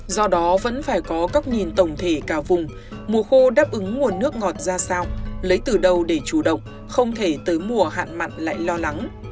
do đó vẫn phải có góc nhìn tổng thể cả vùng mùa khô đáp ứng nguồn nước ngọt ra sao lấy từ đâu để chủ động không thể tới mùa hạn mặn lại lo lắng